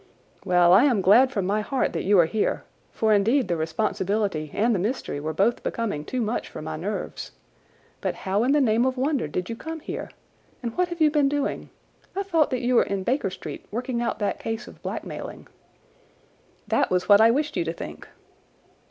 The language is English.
"Well, I am glad from my heart that you are here, for indeed the responsibility and the mystery were both becoming too much for my nerves. But how in the name of wonder did you come here, and what have you been doing? I thought that you were in Baker Street working out that case of blackmailing." "That was what I wished you to think."